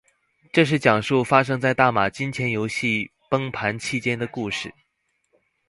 这是讲述发生在大马金钱游戏崩盘期间的故事。